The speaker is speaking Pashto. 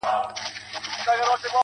د اوښکو ټول څاڅکي دي ټول راټول کړه~